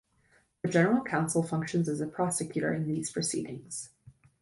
The General Counsel functions as the prosecutor in these proceedings.